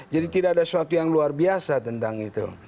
jadi tidak ada sesuatu yang luar biasa tentang itu